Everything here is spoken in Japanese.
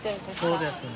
そうですね。